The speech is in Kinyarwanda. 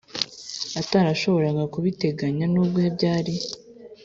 atarashoboraga kubiteganya nubwo byari